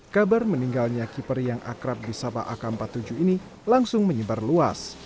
kabar meninggalnya keeper yang akrab di sapa ak empat puluh tujuh ini langsung menyebar luas